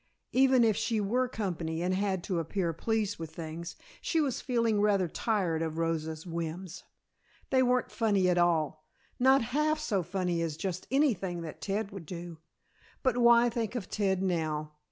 Even if she were company and had to appear pleased with things, she was feeling rather tired of Rosa's whims. They weren't funny at all; not half so funny as just anything that Ted would do. But why think of Ted now?